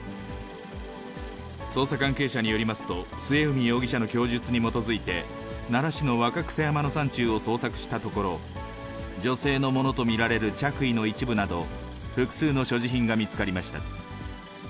捜査関係者によりますと、末海容疑者の供述に基づいて、奈良市の若草山の山中を捜索したところ、女性のものと見られる着衣の一部など、複数の所持品が見つかりました。